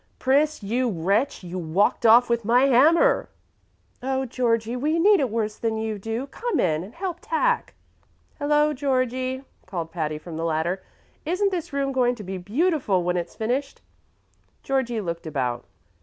"Pris, you wretch, you walked off with my hammer!" "Oh, Georgie, we need it worse than you do! Come in and help tack." "Hello, Georgie," called Patty, from the ladder. "Isn't this room going to be beautiful when it's finished?" Georgie looked about.